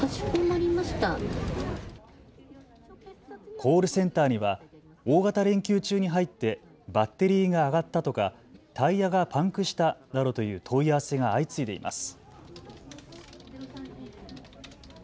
コールセンターには大型連休中に入ってバッテリーが上がったとかタイヤがパンクしたなどという問い合わせが相次いでいます。